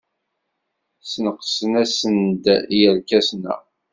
Sneqsen-asen-d i yerkasen-a.